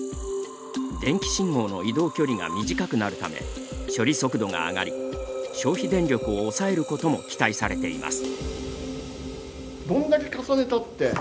電気信号の移動距離が短くなるため、処理速度が上がり消費電力を抑えることも期待されています。